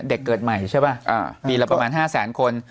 เกิดใหม่ใช่ป่ะปีละประมาณ๕แสนคน